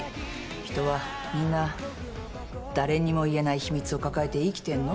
人はみんな誰にも言えない秘密を抱えて生きてんの。